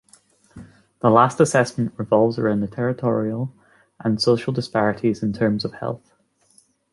The last assessment revolves around the territorial and social disparities in terms of health.